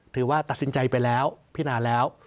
ถือว่าตัดสินใจไปแล้วพินาแล้ว